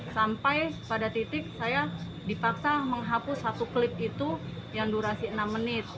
sampai pada titik saya dipaksa menghapus satu klip itu yang durasi enam menit